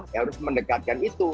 harus mendekatkan itu